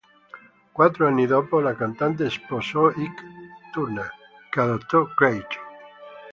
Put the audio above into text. Quattro anni dopo la cantante sposò Ike Turner che adottò Craig.